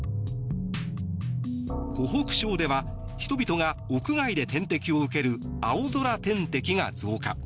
湖北省では人々が屋外で点滴を受ける青空点滴が増加。